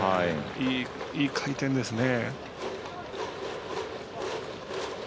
いい回転ですね。